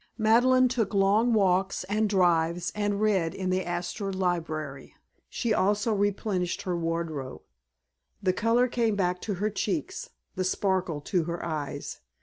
Madeleine took long walks, and drives, and read in the Astor Library. She also replenished her wardrobe. The color came back to her cheeks, the sparkle to her eyes.